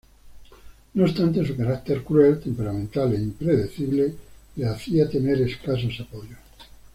No obstante, su carácter cruel, temperamental e impredecible le hacía tener escasos apoyos.